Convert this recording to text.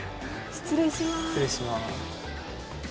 失礼します。